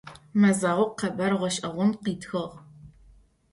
Mezağo khebar ğeş'eğon khıtxığ.